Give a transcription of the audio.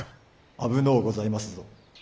危のうございますぞ。